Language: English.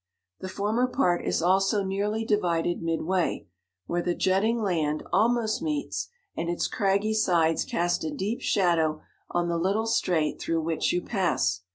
The former part is also nearly di vided midway, where the jutting land almost meets, and its craggy sides cast a deep shadow on the little strait through which you pass.